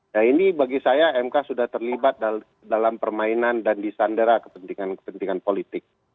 ya ini bagi saya mk sudah terlibat dalam permainan dan disandera kepentingan kepentingan politik